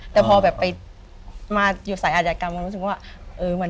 แต่พออยู่ศายอัจจากรรม